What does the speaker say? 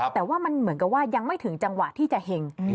แต่ว่ามันเหมือนกับว่ายังไม่ถึงจังหวะที่จะเห็ง